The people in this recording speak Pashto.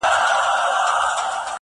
گــــوره زمــا د زړه ســـكــــونـــــه.